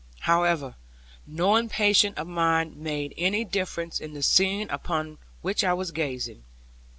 However, no impatience of mine made any difference in the scene upon which I was gazing.